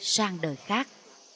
sang đời khác